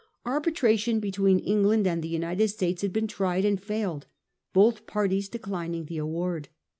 Arbitration between England and the United States had been tried and failed, both parties declin ing the award.